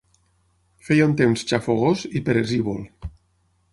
Feia un temps xafogós i peresívol.